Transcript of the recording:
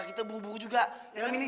kita buru buru juga